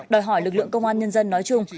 đòi hỏi lực lượng công an nhân dân nói chung